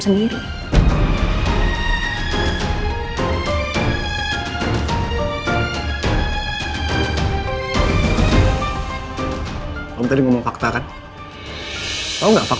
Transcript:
sendiri om tadi ngomong